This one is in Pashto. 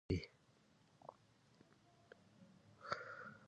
ښاروالۍ د ښار پاکوالي ته جدي پاملرنه کوي.